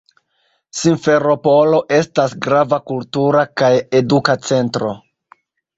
Simferopolo estas grava kultura kaj eduka centro.